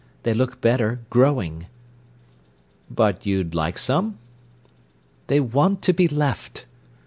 They look better growing." "But you'd like some?" "They want to be left."